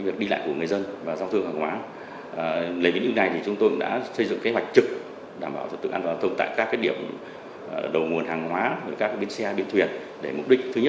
việc đi lại của người dân và giao thương hàng hóa